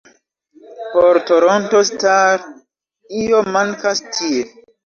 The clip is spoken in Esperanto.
Por "Toronto Star", ""Io mankas tie.